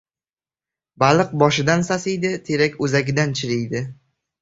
• Baliq boshidan sasiydi, terak o‘zagidan chiriydi.